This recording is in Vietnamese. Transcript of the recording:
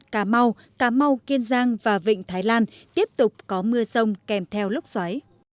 cà mau cà mau kiên giang và vịnh thái lan tiếp tục có mưa rông kèm theo lúc xoáy